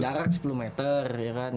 jarak sepuluh meter ya kan